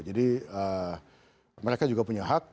jadi mereka juga punya hak